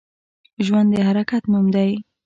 ژوند د حرکت نوم دی